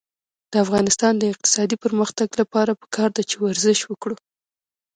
د افغانستان د اقتصادي پرمختګ لپاره پکار ده چې ورزش وکړو.